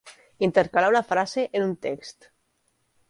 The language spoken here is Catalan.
Intercalar una frase en un text.